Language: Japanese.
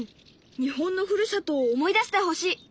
日本のふるさとを思い出してほしい。